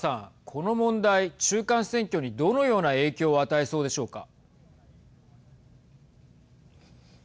この問題中間選挙に、どのような影響を与えそうでしょうか。